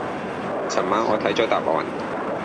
琴晚我睇咗答案